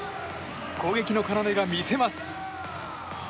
攻撃の要が見せます。